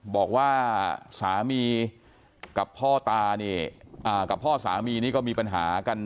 บอกว่าสามีกับพ่อตาเนี่ยกับพ่อสามีนี่ก็มีปัญหากัน